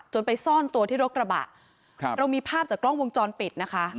ไปซ่อนตัวที่รถกระบะเรามีภาพจากกล้องวงจรปิดนะคะ